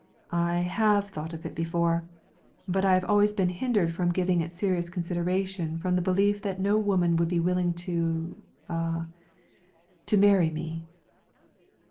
'I have thought of it before; but I have always been hindered from giving it serious consideration from the belief that no woman would be willing to ah to marry me.'